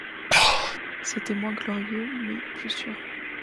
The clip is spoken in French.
C’était moins glorieux, mais plus sûr.